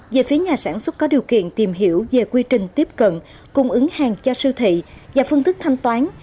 về phía nhà sản xuất có điều kiện tìm hiểu về quy trình tiếp cận cung ứng hàng cho siêu thị và phương thức thanh toán